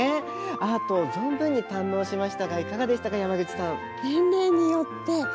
アートを存分に堪能しましたがいかがでしたか山口さん。